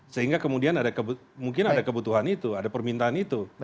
sehingga kemudian mungkin ada kebutuhan itu ada permintaan itu